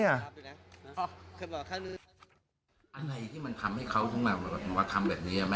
อะไรที่มันทำให้เขาต้องทำแบบนี้หรือไม่